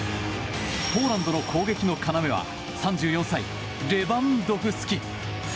ポーランドの攻撃の要は３４歳、レバンドフスキ。